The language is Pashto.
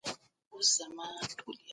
د خلکو ستاینه د کورنۍ نظر بدل کړ.